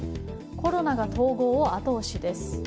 コロナが統合を後押しです。